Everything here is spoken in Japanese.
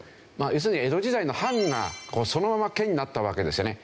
要するに江戸時代の藩がそのまま県になったわけですよね。